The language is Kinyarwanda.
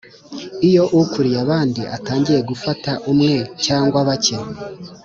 iyo ukuriye abandi atangiye gufata umwe cyangwa bake